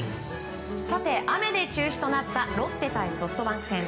雨で中止となったロッテ対ソフトバンク戦。